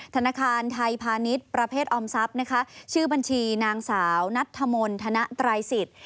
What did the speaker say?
ธนาคารไทยพาณิชย์ประเภทออมทรัพย์นะคะชื่อบัญชีนางสาวนัทธมนต์ธนไตรสิทธิ์